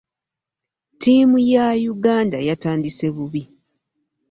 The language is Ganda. Ttiimu ya Uganda yatandise bubi